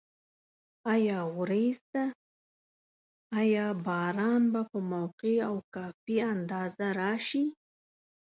آیا وریځ ده؟ آیا باران به په موقع او کافي اندازه راشي؟